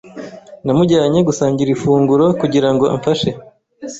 Namujyanye gusangira ifunguro kugira ngo amfashe.